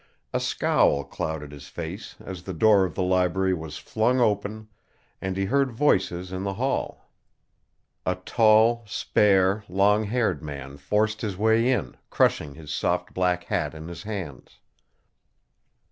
A scowl clouded his face as the door of the library was flung open and he heard voices in the hall. A tall, spare, long haired man forced his way in, crushing his soft black hat in his hands.